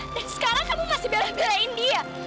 dan sekarang kamu masih belah belahin dia